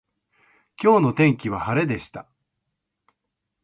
今日の天気は晴れでした。